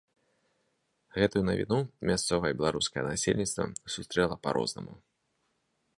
Гэту навіну мясцовае беларускае насельніцтва сустрэла па-рознаму.